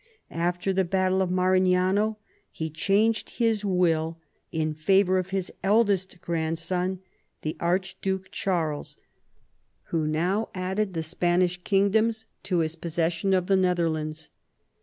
After the battle of Marignano he changed his will in favour of his eldest grandson, the Archduke Charles, who now added the Spanish kingdoms to his possession of the Netherlands.